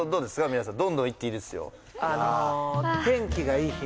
皆さんどんどんいっていいですよ